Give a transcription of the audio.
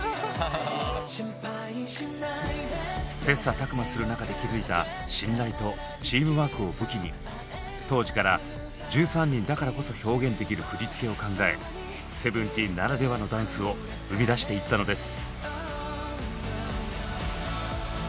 切磋琢磨する中で築いた信頼とチームワークを武器に当時から１３人だからこそ表現できる振り付けを考えＳＥＶＥＮＴＥＥＮならではのダンスを生み出していったのです。